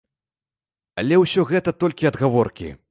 Але ўсё гэта толькі адгаворкі.